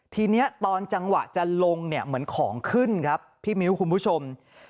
ทีนี้ตอนจังหวะจะลงเนี่ยเหมือนของขึ้นครับพี่มิ้วคุณผู้ชม